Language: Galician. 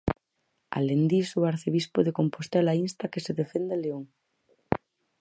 Alén diso, o arcebispo de Compostela insta a que se defenda León.